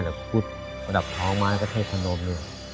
และพุทธภาพภองไม้และกระเทศพระนมเนี่ย